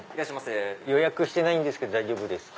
予約してないけど大丈夫ですか？